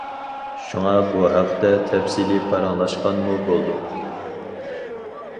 شۇڭا بۇ ھەقتە تەپسىلىي پاراڭلاشقانمۇ بولدۇم.